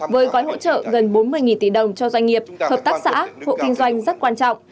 với gói hỗ trợ gần bốn mươi tỷ đồng cho doanh nghiệp hợp tác xã hộ kinh doanh rất quan trọng